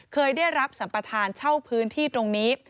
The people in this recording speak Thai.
เคยได้รับสัมประธานเช่าพื้นที่ตรงนี้